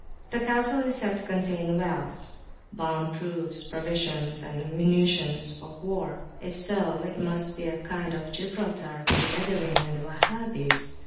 The castle is said to contain wells, bomb proofs, provisions, and munitions of war; if so, it must be a kind of Gibraltar to the Badawin and the Wahhabis.